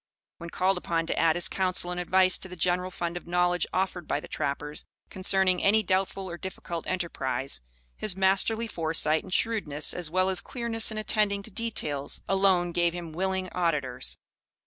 When called upon to add his counsel and advice to the general fund of knowledge offered by the trappers concerning any doubtful or difficult enterprise, his masterly foresight and shrewdness, as well as clearness in attending to details, alone gave him willing auditors.